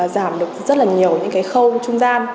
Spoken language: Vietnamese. giảm được rất là nhiều những cái khóa